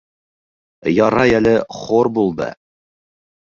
Ярай әле хор булды.